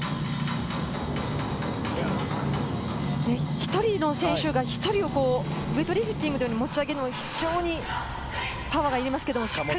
１人の選手が１人をウエイトリフティングのように持ち上げるのは非常にパワーがいりますけれど。